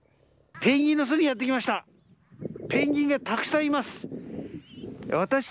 ペンギンの巣にやってきました。